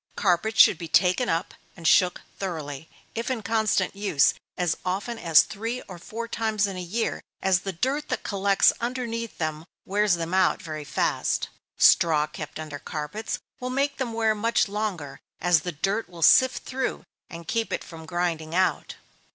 _ Carpets should be taken up and shook thoroughly, if in constant use, as often as three or four times in a year, as the dirt that collects underneath them wears them out very fast. Straw kept under carpets, will make them wear much longer, as the dirt will sift through, and keep it from grinding out.